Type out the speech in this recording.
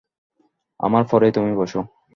আমার পরেই তুমি বসো।